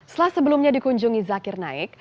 setelah sebelumnya dikunjungi zakir naik